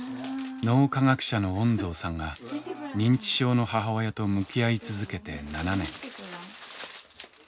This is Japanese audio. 脳科学者の恩蔵さんが認知症の母親と向き合い続けて７年。